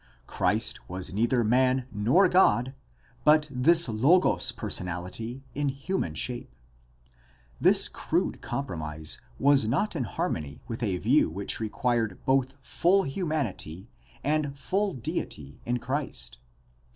Christ was neither man nor God but this Logos personality in human shape. This crude compromise was not in harmony with a view which required both full humanity and full deity in Christ.